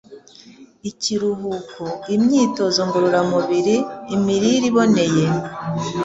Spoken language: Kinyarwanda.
ikiruhuko, imyitozo ngororamubiri, imirire iboneye,